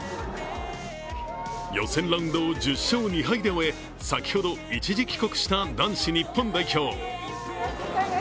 予選ラウンドを１０勝２敗で終え、先ほど、一時帰国した男子日本代表。